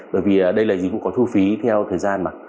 bởi vì đây là dịch vụ có thu phí theo thời gian mà